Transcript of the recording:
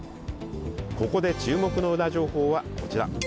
ここで注目のウラ情報はこちら。